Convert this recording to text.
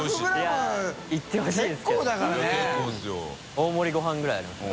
大盛りごはんぐらいありますよね。